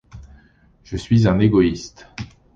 Je suis un égoïste.